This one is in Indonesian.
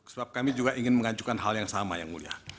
sebab kami juga ingin mengajukan hal yang sama yang mulia